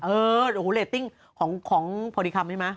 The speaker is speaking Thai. เออโอ้โหเรตติ้งของพอดีคำใช่ไหม